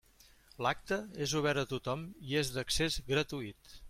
L'acte és obert a tothom i és d'accés gratuït.